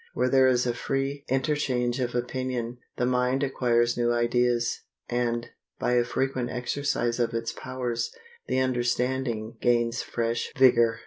Where there is a free interchange of opinion, the mind acquires new ideas, and, by a frequent exercise of its powers, the understanding gains fresh vigor.